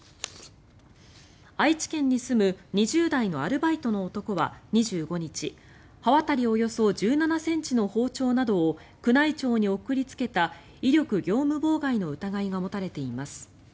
愛知県に住む２０代のアルバイトの男は２５日刃渡りおよそ１７ｃｍの包丁などを宮内庁に送りつけた威力業務妨害の疑いが持たれています。